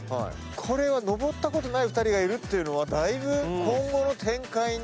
これは上ったことない２人がいるっていうのはだいぶ。